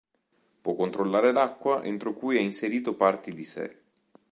Può controllare l'acqua entro cui ha inserito parti di sé.